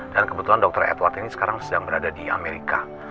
dan kebetulan dr edward ini sekarang sedang berada di amerika